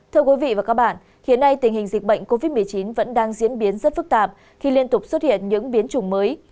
thưa quý vị và các bạn hiện nay tình hình dịch bệnh covid một mươi chín vẫn đang diễn biến rất phức tạp khi liên tục xuất hiện những biến chủng mới